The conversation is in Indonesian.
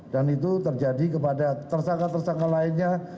dan itu terjadi kepada tersangka tersangka lainnya